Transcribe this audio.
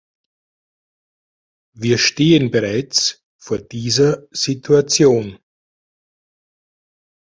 Wir stehen bereits vor dieser Situation.